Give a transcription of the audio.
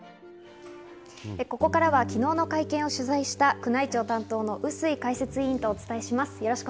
ここからは昨日の会見を取材した宮内庁担当の笛吹解説委員とお伝えします。